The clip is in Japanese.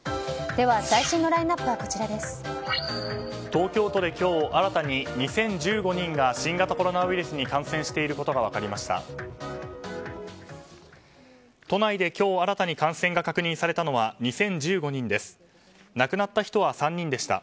東京都で今日新たに２０１５人が新型コロナウイルスに感染していることが分かりました。